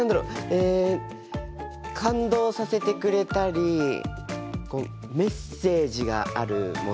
え感動させてくれたりメッセージがあるもの？